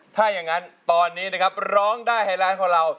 ถ้าอย่างนั้นตอนนี้นะครับร้องได้ให้ร้านของเรา